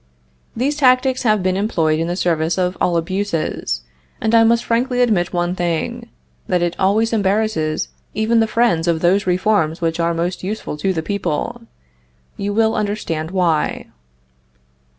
These tactics have been employed in the service of all abuses, and I must frankly admit one thing, that it always embarrasses even the friends of those reforms which are most useful to the people. You will understand why.